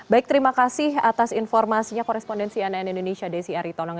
baik terima kasih atas informasinya korespondensi ann indonesia desi aritonang